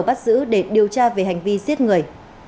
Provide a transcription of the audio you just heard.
bắt giữ để điều tra về hành vi giết người